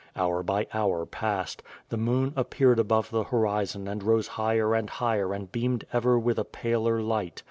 Hour by hour passed, the moon appeared above the horizon and rose higher and higher and beamed ever with a paler light.